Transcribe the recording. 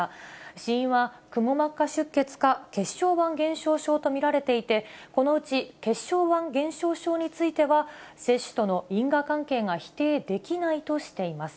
死因はくも膜下出血か血小板減少症と見られていて、このうち血小板減少症については、接種との因果関係が否定できないとしています。